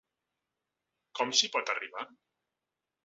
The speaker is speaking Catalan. Com s’hi pot arribar?